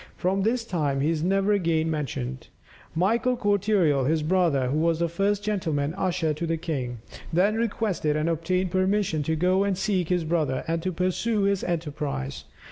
But from this time he is never again mentioned. Michael Cortereal, his brother, who was the first gentleman usher to the king, then requested and obtained permission to go and seek his brother, and to pursue his enterprise.